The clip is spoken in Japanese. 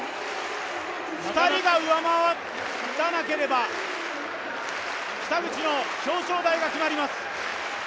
２人が上回らなければ北口の表彰台が決まります。